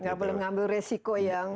nggak boleh mengambil resiko yang